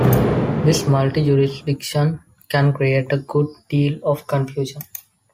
This multi-jurisdiction can create a good deal of confusion.